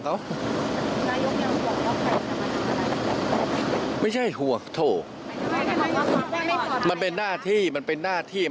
เขายังไม่เข้าใจอะไร